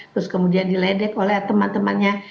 terus kemudian diledek oleh teman temannya